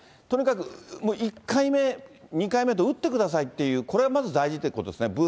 とにかく１回目、２回目と打ってくださいっていう、これがまず大事ってことですね。